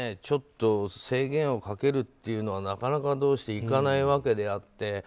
ちょっと制限をかけるというのはなかなかどうしていかないわけであって。